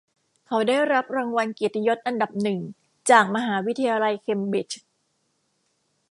เขาได้รับรางวัลเกียรติยศอันดับหนึ่งจากมหาวิทยาลัยเคมบริดจ์